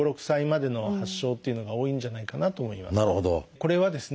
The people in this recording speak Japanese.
これはですね